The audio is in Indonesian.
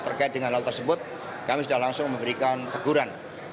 terkait dengan hal tersebut kami sudah langsung memberikan teguran